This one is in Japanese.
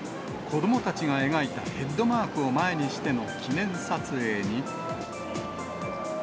子どもたちが描いたヘッドマークを前にしての記念撮影に。